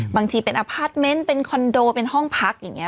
บางทีเป็นอพาร์ทเมนต์เป็นคอนโดเป็นห้องพักอย่างนี้